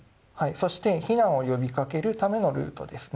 そして、避難を呼びかけるためのルートですね。